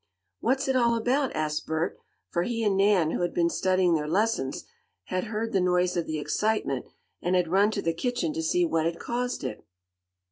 "What's it all about?" asked Bert, for he and Nan, who had been studying their lessons, had heard the noise of the excitement, and had run to the kitchen to see what had caused it.